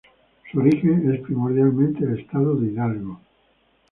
Su origen es primordialmente el Estado de Hidalgo.